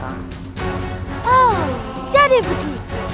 oh jadi begitu